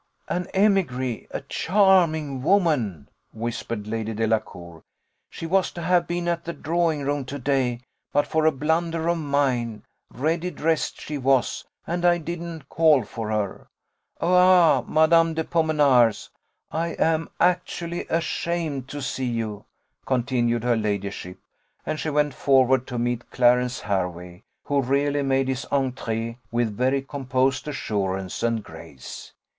"An émigrée a charming woman!" whispered Lady Delacour "she was to have been at the drawing room to day but for a blunder of mine: ready dressed she was, and I didn't call for her! Ah, Mad. de Pomenars, I am actually ashamed to see you," continued her ladyship; and she went forward to meet Clarence Hervey, who really made his entrée with very composed assurance and grace.